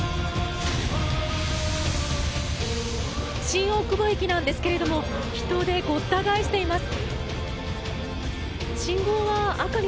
新大久保駅なんですが人でごった返しています。